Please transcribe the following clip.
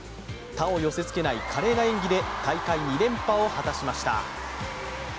他を寄せつけない華麗な演技で大会２連覇を果たしました。